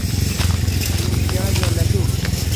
Individual yondashuv